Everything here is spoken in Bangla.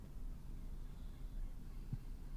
স্থানে স্থানে ডোবা অথবা পুকুরের মতো দেখা যায়।